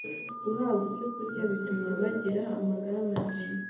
guhabwa ibyokurya bituma bagira amagara mazima